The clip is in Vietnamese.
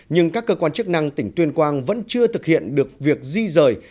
nhưng các cơ quan chức năng tỉnh tuyên quang vẫn chưa thực hiện được việc di rời